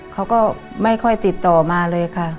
เขาก็ไม่ค่อยติดต่อมาเลยค่ะ